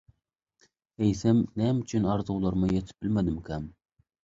Eýsem, näme üçin arzuwlaryma ýetip bilmedimkäm?